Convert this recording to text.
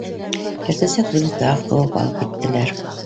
Иртәнсәк беҙҙе тағы ҡыуып алып киттеләр.